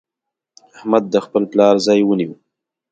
احمد د خپل پلار ځای ونيو.